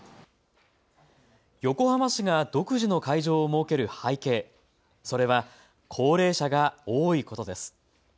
横浜市が独自の会場を設ける背景、それは、高齢者が多いことです。